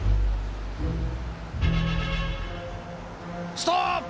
ストップ！